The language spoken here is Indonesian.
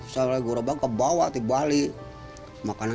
saya lagi gua roba ke bawah tiba balik